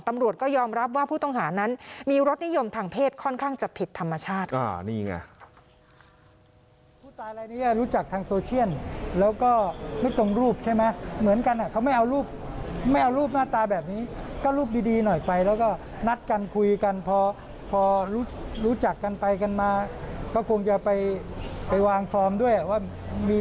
ตำรวจก็ยอมรับว่าผู้ต้องหานั้นมีรสนิยมทางเพศค่อนข้างจะผิดธรรมชาติ